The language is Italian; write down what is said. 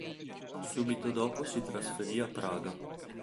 Subito dopo si trasferì a Praga.